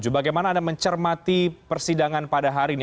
bagaimana anda mencermati persidangan pada hari ini